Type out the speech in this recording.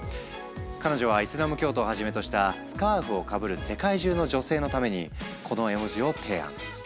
彼女はイスラム教徒をはじめとしたスカーフをかぶる世界中の女性のためにこの絵文字を提案。